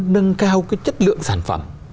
nâng cao cái chất lượng sản phẩm